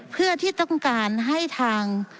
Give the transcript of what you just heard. เพื่อที่ต้องการให้ทาง